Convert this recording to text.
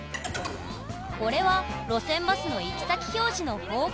これは路線バスの行き先表示の方向